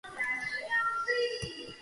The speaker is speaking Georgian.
სათავე აქვს მესხეთის ქედის ჩრდილოეთ კალთაზე.